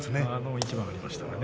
一点、ありましたね。